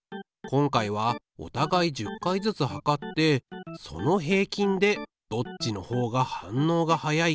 今回はおたがい１０回ずつ測ってその平均でどっちのほうが反応がはやいか勝負しよう。